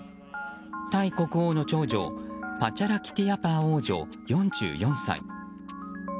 タイ国王の長女パチャラキティヤパー王女４４歳。